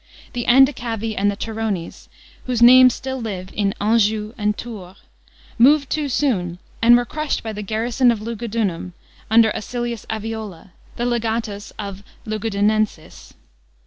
The Andecavi and the Turones — whose names still live in Anjou and Tours — moved too soon, and were crush sd by the garrison of Lugu dunum, under Acilius A viola, the Itgatus pr. pr. of Lugudunensis.